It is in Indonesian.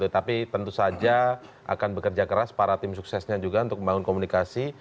tapi tentu saja akan bekerja keras para tim suksesnya juga untuk membangun komunikasi